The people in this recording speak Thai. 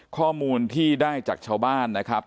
ข้อมูลที่ได้จากชาวบ้านนะครับ